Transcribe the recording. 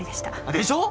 でしょう？